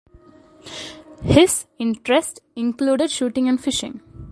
His interests included shooting and fishing.